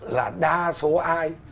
là đa số ai